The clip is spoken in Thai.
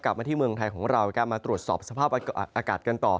มาที่เมืองไทยของเรามาตรวจสอบสภาพอากาศกันต่อ